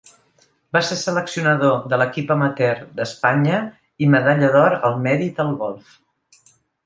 Va ser seleccionador de l'equip Amateur d'Espanya i Medalla d'Or al Mèrit al golf.